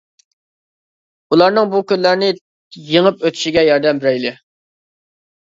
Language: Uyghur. ئۇلارنىڭ بۇ كۈنلەرنى يېڭىپ ئۆتۈشىگە ياردەم بېرەيلى.